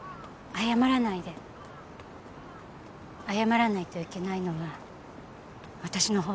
謝らないといけないのは私のほうだから。